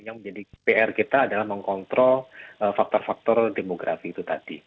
yang menjadi pr kita adalah mengkontrol faktor faktor demografi itu tadi